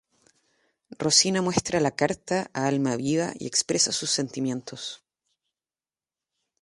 Rosina muestra la carta a Almaviva y expresa sus sentimientos.